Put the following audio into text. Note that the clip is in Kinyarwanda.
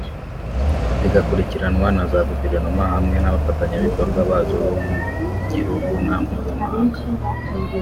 rigakurikiranwa na za guverinoma hamwe n’abafatanyabikorwa bazo bo mu gihugu na mpuzamahanga